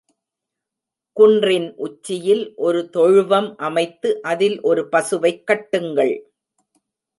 குன்றின் உச்சியில் ஒரு தொழுவம் அமைத்து அதில் ஒரு பசுவைக் கட்டுங்கள்.